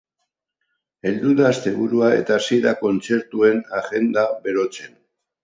Heldu da asteburua eta hasi da kontzertuen agenda berotzen.